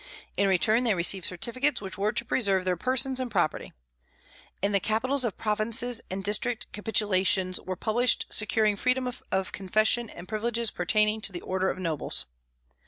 In return they received certificates which were to preserve their persons and property. In the capitals of provinces and districts "capitulations" were published securing freedom of confession and privileges pertaining to the order of nobles.